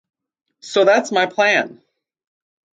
So that’s my plan.